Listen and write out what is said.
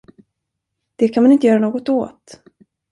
Det kan man inte göra något åt!